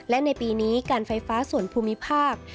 และในปีนี้การไฟฟ้าส่วนภูมิภาค